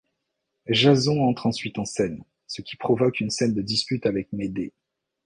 Jason entre ensuite en scène, ce qui provoque une scène de dispute avec Médée.